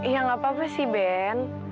ya nggak apa apa sih ben